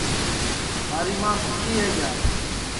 تھاری ماں سُتی ہے کیا